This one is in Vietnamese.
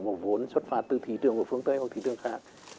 mà muốn xuất phát từ thị trường của phương tây hoặc thị trường khác